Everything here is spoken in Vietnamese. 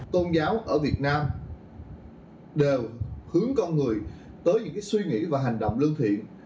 tôn giáo ở việt nam đều hướng con người tới những suy nghĩ và hành động lương thiện